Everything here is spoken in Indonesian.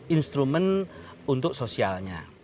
instrumen untuk sosialnya